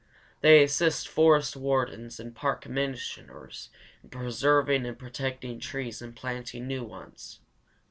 They assist forest wardens and park commissioners in preserving and protecting trees and planting new ones.